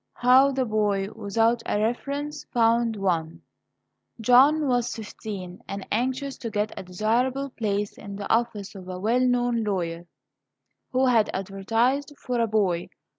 HOW THE BOY WITHOUT A REFERENCE FOUND ONE John was fifteen, and anxious to get a desirable place in the office of a well known lawyer, who had advertised for a boy.